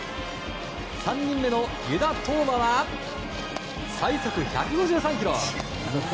３人目の湯田統真は最速１５３キロ。